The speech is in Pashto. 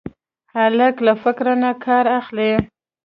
هلک له فکر نه کار اخلي.